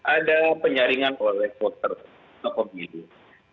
ada penyaringan oleh voter